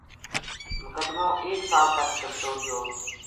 مقدمو ایک سال تک چلتو رہیو